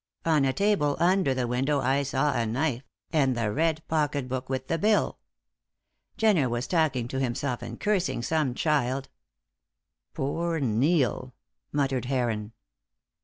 On a table, under the window, I saw a knife, and the red pocket book with the bill. Jenner was talking to himself and cursing some child " "Poor Neil," muttered Heron.